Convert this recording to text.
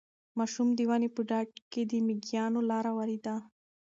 ماشوم د ونې په ډډ کې د مېږیانو لاره ولیده.